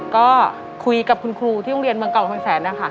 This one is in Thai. ก็คุยกับคุณครูที่โรงเรียนเมืองเก่าทองแสนนะคะ